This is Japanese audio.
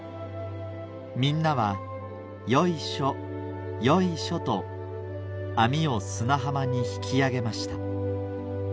みんなは『よいしょよいしょ』と網を砂浜に引き揚げました。